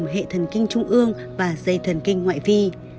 một hệ thần kinh trung ương và dây thần kinh ngoại vi